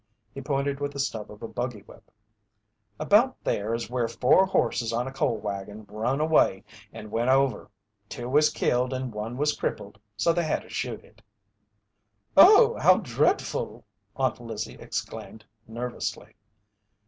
He pointed with the stub of a buggy whip: "About there is where four horses on a coal wagon run away and went over. Two was killed and one was crippled so they had to shoot it." "Oh, how dread ful!" Aunt Lizzie exclaimed, nervously.